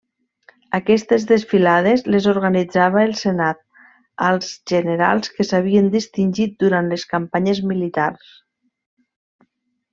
Aquestes desfilades les organitzava el Senat als generals que s'havien distingit durant les campanyes militars.